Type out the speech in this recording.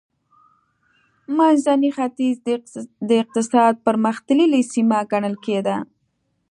منځنی ختیځ د اقتصاد پرمختللې سیمه ګڼل کېده.